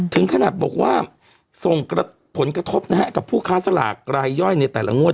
ถึงขนาดบอกว่าส่งผลกระทบนะฮะกับผู้ค้าสลากรายย่อยในแต่ละงวด